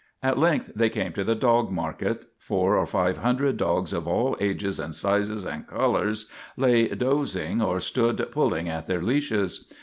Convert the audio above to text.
At length they came to the dog market. Four or five hundred dogs of all ages and sizes and colours lay dozing or stood pulling at their leashes.